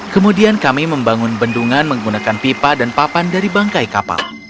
kemudian kami membangun bendungan menggunakan pipa dan papan dari bangkai kapal